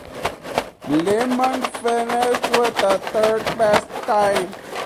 LeMond finished with the third-best time.